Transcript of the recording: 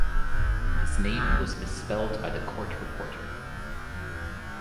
His name was misspelled by the court reporter.